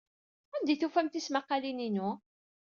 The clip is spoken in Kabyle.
Anda ay tufam tismaqqalin-inu?